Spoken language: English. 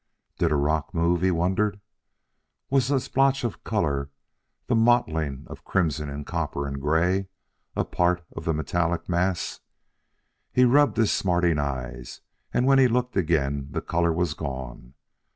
Did a rock move? he wondered. Was the splotch of color that mottling of crimson and copper and gray a part of the metallic mass? He rubbed his smarting eyes and when he looked again the color was gone.